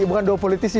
bukan dua politisi